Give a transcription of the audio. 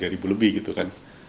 tiga ribu lebih gitu kan